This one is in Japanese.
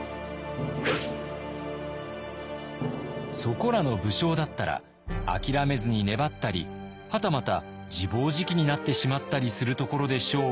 そこらの武将だったらあきらめずに粘ったりはたまた自暴自棄になってしまったりするところでしょうが。